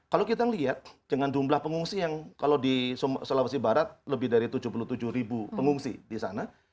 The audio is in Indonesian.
kalau kita lihat dengan jumlah pengungsi yang kalau di sulawesi barat lebih dari tujuh puluh tujuh ribu pengungsi di sana